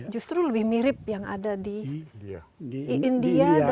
justru lebih mirip yang ada di india